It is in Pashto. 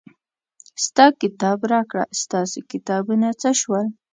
ستا کتاب راکړه ستاسې کتابونه څه شول.